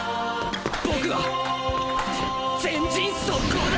僕は前陣速攻だ！